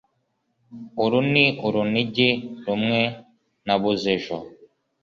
Uru ni urunigi rumwe nabuze ejo